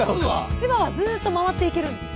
千葉はずっと回っていけるんです。